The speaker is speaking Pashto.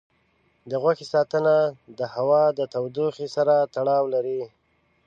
د غوښې ساتنه د هوا د تودوخې سره تړاو لري.